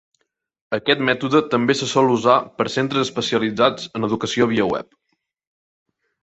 Aquest mètode també se sol usar per centres especialitzats en educació via web.